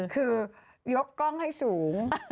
คือยกกล้องให้สูง